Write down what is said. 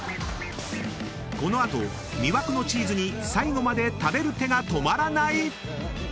［この後魅惑のチーズに最後まで食べる手が止まらない］